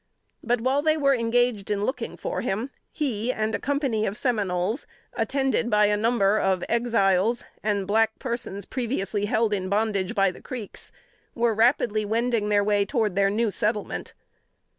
But while they were engaged in looking for him, he and a company of Seminoles, attended by a number of Exiles and black persons, previously held in bondage by the Creeks, were rapidly wending their way towards their new settlement.